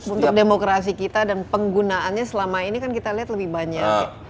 untuk demokrasi kita dan penggunaannya selama ini kan kita lihat lebih banyak